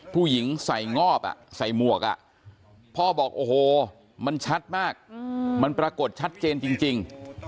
ผู้หญิงใส่งอบใส่หมวกพ่อบอกโอ้โหมันชัดมากมันปรากฏชัดเจนจริง